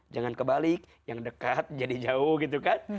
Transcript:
jangan kebalik yang dekat jadi jauh gitu kan